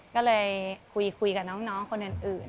ก็เลยคุยกับน้องคนอื่น